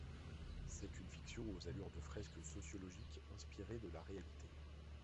C'est une fiction aux allures de fresque sociologique inspirée de la réalité.